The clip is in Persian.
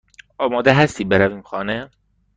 آماده هستی برویم خانه؟